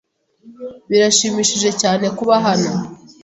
Birashimishije cyane kuba hano.